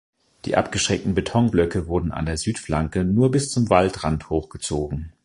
Die abgeschrägten Betonblöcke wurden an der Südflanke nur bis zum Waldrand hochgezogen.